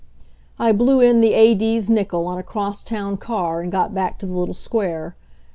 I blew in the A.D.'s nickel on a cross town car and got back to the little Square.